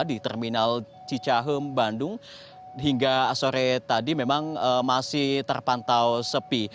di terminal cicahem bandung hingga sore tadi memang masih terpantau sepi